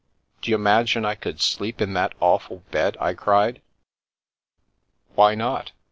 " D'you imagine I could sleep in that awful bed?" I cried. "Why not?